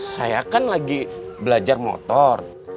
saya kan lagi belajar motor